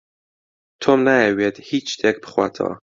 تۆم نایەوێت هێچ شتێک بخواتەوە.